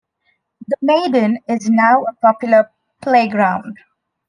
The Maidan is now a popular playground.